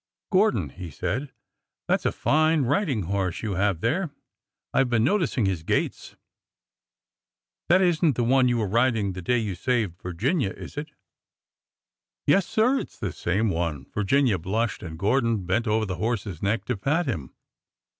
" Gordon," he said, that 's a fine riding horse you have there. I have been noticing his gaits. That is n't the one you were riding the day you saved Virginia, is it?" " Yes, sir ; it 's the same one." Virginia blushed, and Gordon bent over the horse's neck to pat him.